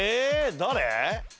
誰？